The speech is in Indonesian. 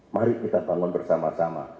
mari kita bangun bersama sama